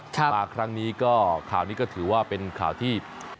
มาครั้งนี้ก็ข่าวนี้ก็ถือว่าเป็นข่าวที่